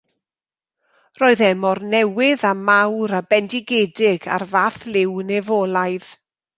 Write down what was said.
Roedd e mor newydd a mawr a bendigedig a'r fath liw nefolaidd.